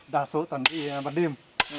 đa số tần đi bắt đêm